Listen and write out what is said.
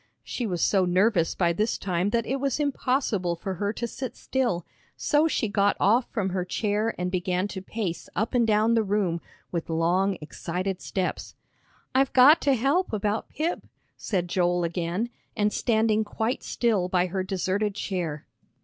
She was so nervous by this time that it was impossible for her to sit still, so she got off from her chair and began to pace up and down the room, with long, excited steps. "I've got to help about Pip," said Joel again, and standing quite still by her deserted chair.